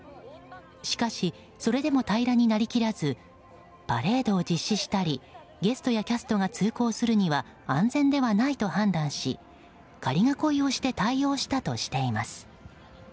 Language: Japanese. しかしそれでも平らになりきらずパレードを実施したりゲストやキャストが通行するには安全ではないと判断し仮囲いをして対応したとしています。